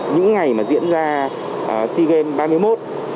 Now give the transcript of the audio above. những ngày mà diễn ra sea games ba mươi một